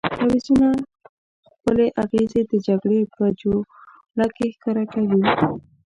تعویضونه خپلې اغېزې د جګړې په جوله کې ښکاره کوي.